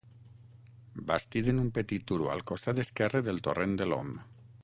Bastit en un petit turó al costat esquerre del torrent de l'Om.